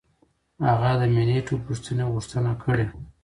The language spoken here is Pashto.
هغه د ملي ټولپوښتنې غوښتنه کړې.